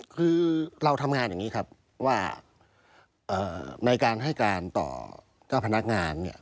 คือเราทำงานอย่างนี้ครับว่าในการให้การต่อเจ้าพนักงานเนี่ย